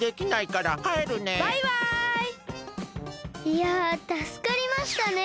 いやたすかりましたね。